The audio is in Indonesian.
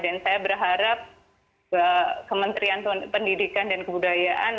dan saya berharap kementerian pendidikan dan kebudayaan